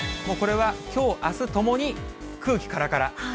もうこれは、きょう、あすともに空気からから。